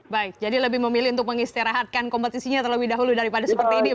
baik jadi lebih memilih untuk mengistirahatkan kompetisinya terlebih dahulu daripada seperti ini ya